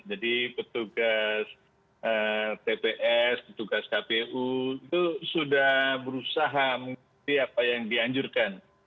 jadi petugas tps petugas kpu itu sudah berusaha mengikuti apa yang dianjurkan